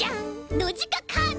ノジカカード！